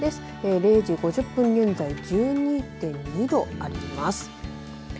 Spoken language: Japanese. ０時５０分現在１２．２度あります。